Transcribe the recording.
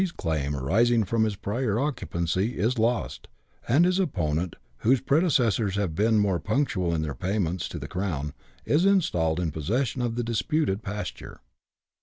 's claim, arising from his prior occupancy, is lost, and his opponent, whose predecessors have been more punctual in their payments to the crown, is installed in possession of the disputed pasture.